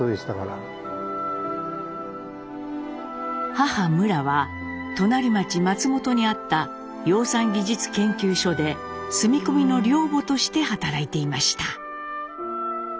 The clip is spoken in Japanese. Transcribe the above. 母むらは隣町松本にあった養蚕技術研究所で住み込みの寮母として働いていました。